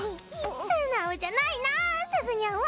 素直じゃないなすずにゃんは！